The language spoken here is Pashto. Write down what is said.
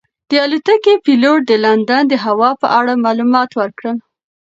د الوتکې پېلوټ د لندن د هوا په اړه معلومات ورکړل.